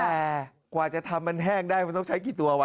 แต่กว่าจะทำมันแห้งได้มันต้องใช้กี่ตัววะ